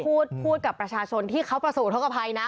พูดกับประชาชนที่เขาประสบอุทธกภัยนะ